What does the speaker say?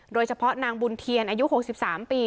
โดยเฉพาะนางบุญเทียนอายุหกสิบสามปี